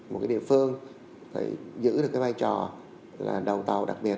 một cái địa phương phải giữ được cái vai trò là đầu tàu đặc biệt